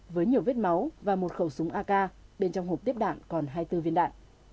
với nhiều vết máu và một khẩu súng ak bên trong hộp tiếp đạn còn hai tư viên đạn